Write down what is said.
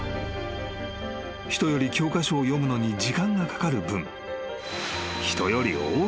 ［人より教科書を読むのに時間がかかる分］